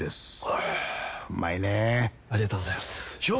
ありがとうございます！